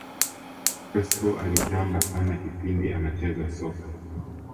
crespo alitamba sana kipindi anacheza soka